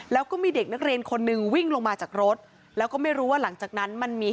แล้วก็มีเด็กนักเรียนคนหนึ่งวิ่งลงมาจากรถแล้วก็ไม่รู้ว่าหลังจากนั้นมันมี